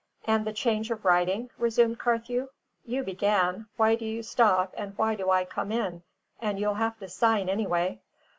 "And the change of writing?" resumed Carthew. "You began; why do you stop and why do I come in? And you'll have to sign anyway."